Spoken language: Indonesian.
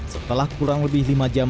setelah kurang lebih lima jam